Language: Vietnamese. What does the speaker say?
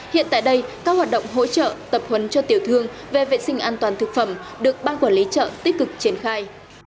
hiện tại đây các hoạt động hỗ trợ tập huấn cho tiểu thương về vệ sinh an toàn thực phẩm được ban quản lý chợ tích cực triển khai